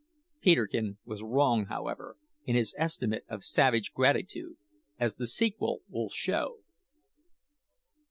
Peterkin was wrong, however, in his estimate of savage gratitude, as the sequel will show.